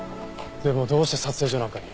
でもどうして撮影所なんかに。